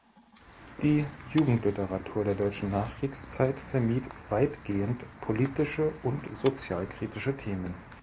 Die Jugendliteratur der deutschen Nachkriegszeit vermied weitgehend politische und sozialkritische Themen.